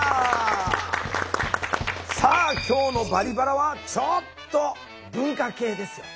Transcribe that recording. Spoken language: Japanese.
さあ今日の「バリバラ」はちょっと文化系ですよ。